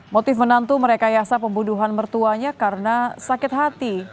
motif menantu merekayasa pembunuhan mertuanya karena sakit hati